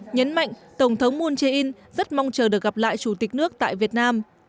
nhấn mạnh tổng thống moon jae in rất mong chờ được gặp lại chủ tịch nước tại việt nam